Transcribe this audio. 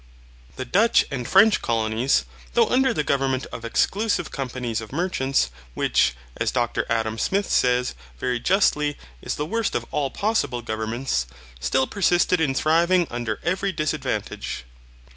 The Dutch and French colonies, though under the government of exclusive companies of merchants, which, as Dr Adam Smith says very justly, is the worst of all possible governments, still persisted in thriving under every disadvantage.